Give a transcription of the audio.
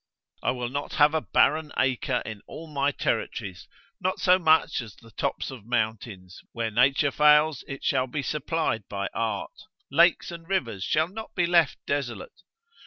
I will not have a barren acre in all my territories, not so much as the tops of mountains: where nature fails, it shall be supplied by art: lakes and rivers shall not be left desolate.